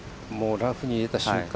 ラフに入れた瞬間